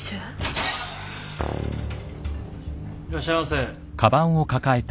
いらっしゃいませ。